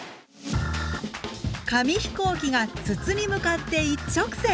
紙飛行機が筒に向かって一直線！